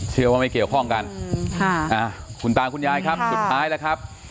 เชื่อว่าไม่เกี่ยวข้องกันคุณตาคุณยายครับสุดท้ายแล้วครับ